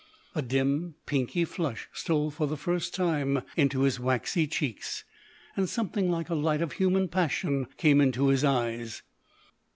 A dim, pinky flush stole for the first time into his waxy cheeks, and something like a light of human passion came into his eyes.